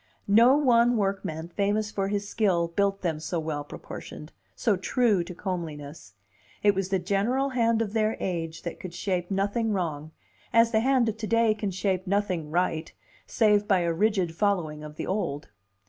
No one workman famous for his skill built them so well proportioned, so true to comeliness; it was the general hand of their age that could shape nothing wrong, as the hand of to day can shape nothing right, save by a rigid following of the old.